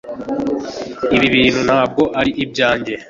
ibi bintu ntabwo ari ibyanjye